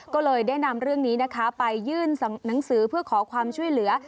ก็เลยได้นำเรื่องนี้นะคะไปยื่นหนังสือเพื่อขอความช่วยเหลือ